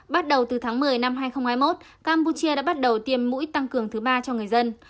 bắt đầu từ tháng một mươi năm hai nghìn hai mươi một campuchia đã bắt đầu tiêm mũi tăng cường thứ ba cho người dân